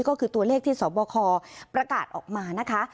ก็คือตัวเลขที่สบคประกาศออกมานะคะ